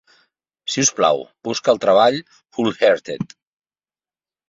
Si us plau, busca el treball Wholehearted.